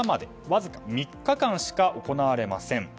わずか３日間しか行われません。